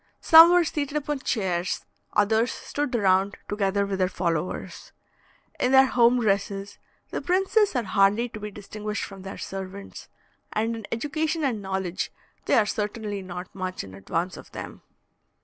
Some were seated upon chairs, others stood round, together with their followers. In their home dresses, the princes are hardly to be distinguished from their servants, and in education and knowledge they are certainly not much in advance of them.